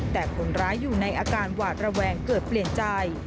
แต่คนร้ายอยู่ในอาการหวาดระแวงเกิดเปลี่ยนใจ